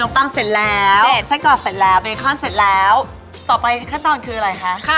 ตั้งเสร็จแล้วไส้กรอกเสร็จแล้วเบคอนเสร็จแล้วต่อไปขั้นตอนคืออะไรคะ